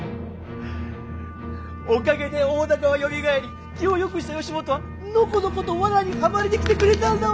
おかげで大高はよみがえり気をよくした義元はのこのこと罠にはまりに来てくれたんだわ。